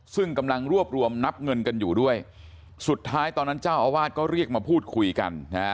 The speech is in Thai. ซึ่งกำลังรวบรวมนับเงินกันอยู่ด้วยสุดท้ายตอนนั้นเจ้าอาวาสก็เรียกมาพูดคุยกันนะฮะ